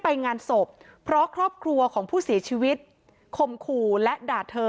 ไปงานศพเพราะครอบครัวของผู้เสียชีวิตคมขู่และด่าเธอ